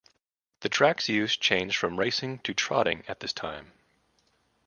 The track's use changed from racing to trotting at this time.